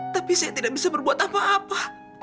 tapi saya tidak bisa berbuat apa apa